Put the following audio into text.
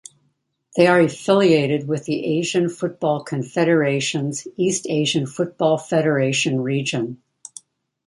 They are affiliated with the Asian Football Confederation's East Asian Football Federation region.